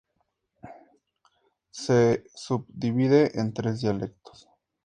Se subdivide en tres dialectos.